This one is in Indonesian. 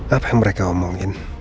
apa yang mereka omongin